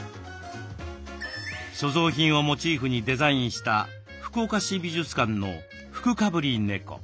所蔵品をモチーフにデザインした福岡市美術館の「福かぶり猫」。